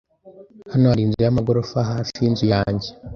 Hano hari inzu yamagorofa hafi yinzu yanjye.